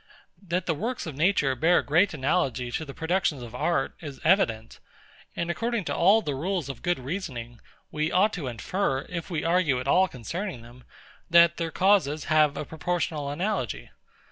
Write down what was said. That the works of Nature bear a great analogy to the productions of art, is evident; and according to all the rules of good reasoning, we ought to infer, if we argue at all concerning them, that their causes have a proportional analogy.